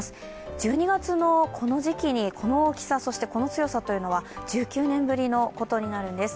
１２月のこの時期にこの大きさ、そしてこの強さというのは１９年ぶりのことになるんです。